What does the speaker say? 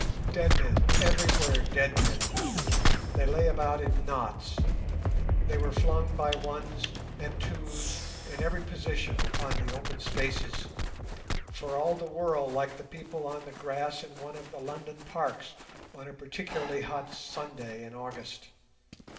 Dead men, everywhere dead men—they lay about in knots, they were flung by ones and twos in every position upon the open spaces, for all the world like the people on the grass in one of the London parks on a particularly hot Sunday in August.